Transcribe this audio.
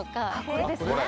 これですね。